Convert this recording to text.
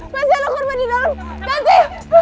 masih ada korban di dalam tanti